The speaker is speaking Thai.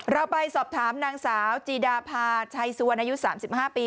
เราไปสอบถามนางสาวจีดาพาชัยสุวรรณอายุ๓๕ปี